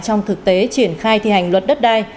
trong thực tế triển khai thi hành luật đất đai